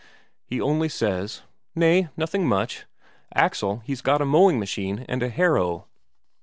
he only says: "Nay, nothing much. Axel he's got a mowing machine and a harrow."